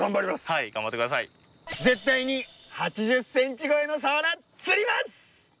はい頑張って下絶対に８０ｃｍ超えのサワラ釣ります！